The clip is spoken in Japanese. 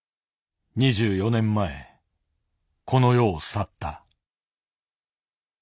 ２４年前この世を去った。